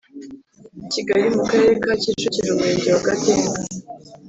Kigali mu karere ka Kicukiro Umurenge wa Gatenga